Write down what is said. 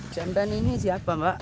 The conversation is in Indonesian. jembatan ini siapa mbak